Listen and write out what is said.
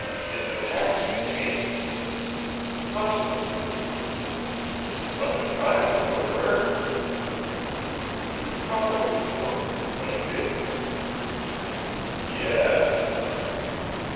"In the taxi, eh?" "Possibly." "But the driver would have heard." "He probably would; but he didn't." "Ye e es."